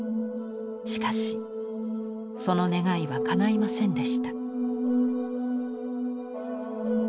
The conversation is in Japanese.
しかしその願いはかないませんでした。